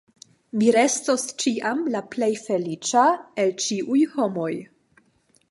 Mi restos ĉiam la plej feliĉa el ĉiuj homoj.